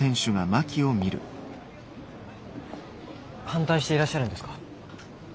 反対していらっしゃるんですか？